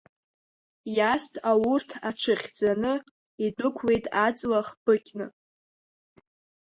Иаст аурҭ аҽырӷьӡаны, идәықәлеит аҵла хбыкьны.